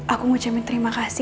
aku mau jamin terima kasih